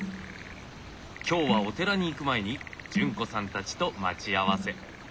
今日はお寺に行く前に潤子さんたちと待ち合わせ。